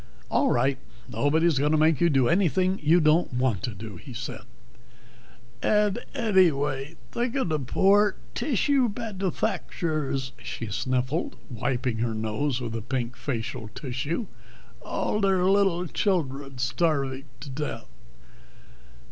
"All right, nobody's going to make you do anything you don't want to," he said. "Ad eddyway, thik of the poor tissue badufacturers," she sniffled, wiping her nose with a pink facial tissue. "All their little childred starvig to death."